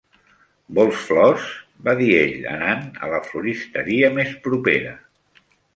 "Vols flors", va dir ell anant a la floristeria més propera.